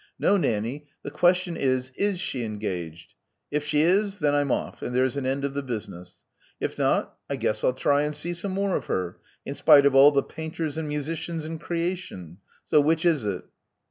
No, Nanny: the question is. Is she engaged? If she is, then I'm off; and there's an end of the business. If not, I guess I'll try and see some more of her, in spite of all the painters and musicians in creation. So, which is it?"